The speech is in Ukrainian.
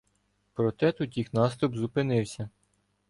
Проте тут їх наступ зупинився.